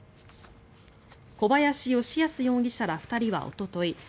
小林慶康容疑者ら２人はおととい